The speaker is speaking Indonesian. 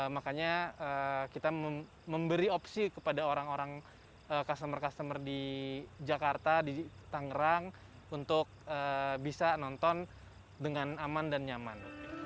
makanya kita memberi opsi kepada orang orang customer customer di jakarta di tangerang untuk bisa nonton dengan aman dan nyaman